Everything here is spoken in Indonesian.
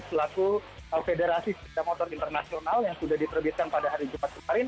selaku federasi sistem motor internasional yang sudah diperbiasakan pada hari jepang kemarin